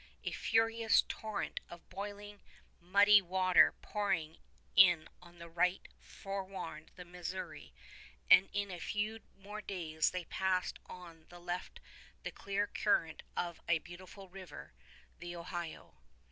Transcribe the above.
A furious torrent of boiling muddy water pouring in on the right forewarned the Missouri; and in a few more days they passed on the left the clear current of Beautiful River, the Ohio.